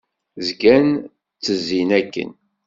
Zgan ttezzin akken.